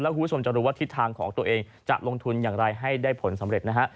คุณผู้ชมจะรู้ว่าทิศทางของตัวเองจะลงทุนอย่างไรให้ได้ผลสำเร็จนะฮะ